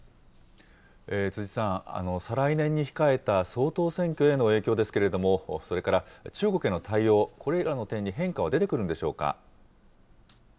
逵さん、再来年に控えた総統選挙への影響ですけれども、それから中国への対応、これらの点に変化は出てくるんでしょうか。